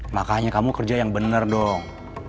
makanya kamu kerja yang benar dong